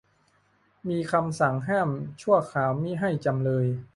มีคำสั่งห้ามชั่วคราวมิให้จำเลย